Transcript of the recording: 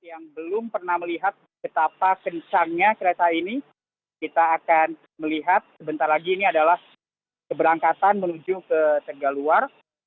yang belum pernah melihat betapa kencangnya kereta ini kita akan melihat sebentar lagi ini adalah keberangkatan menuju ke tegaluar